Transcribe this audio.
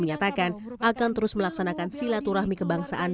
menyatakan akan terus melaksanakan silaturahmi kebangsaan